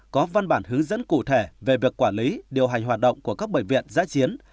có văn bản hướng dẫn cụ thể về việc quản lý điều hành hoạt động của các bệnh viện giã chiến